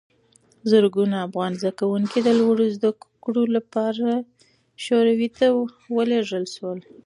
زرګونه افغان زدکوونکي د لوړو زده کړو لپاره شوروي ته ولېږل شول.